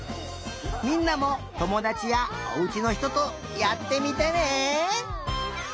みんなもともだちやおうちのひととやってみてね！